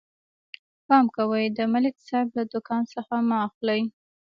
پام کوئ، د ملک صاحب له دوکان څه مه اخلئ.